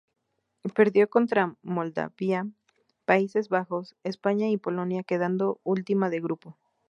Perdió contra Moldavia, Países Bajos, España y Polonia quedando última de grupo.